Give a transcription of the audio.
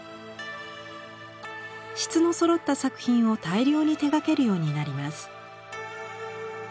質のそろった作品を大量に手がけるようになります。